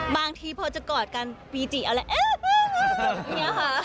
บางทีพอจะกอดกันวีจิจะลองเอ๊อะ